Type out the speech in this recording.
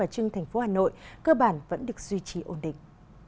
trưng thành phố hà nội cơ bản vẫn được duy trì ổn định